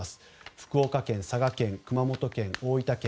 福岡県、佐賀県、熊本県、大分県